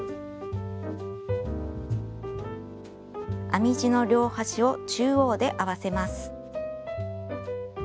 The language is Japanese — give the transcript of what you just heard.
編み地の両端を中央で合わせます。